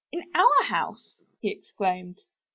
"In our house!" he exclaimed.